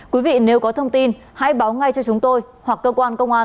quý vị nếu có thông tin hãy báo ngay cho chúng tôi hoặc cơ quan công an